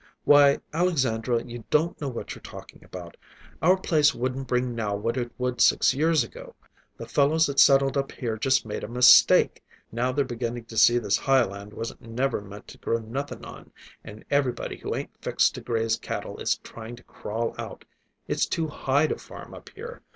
Why, Alexandra, you don't know what you're talking about. Our place wouldn't bring now what it would six years ago. The fellows that settled up here just made a mistake. Now they're beginning to see this high land wasn't never meant to grow nothing on, and everybody who ain't fixed to graze cattle is trying to crawl out. It's too high to farm up here.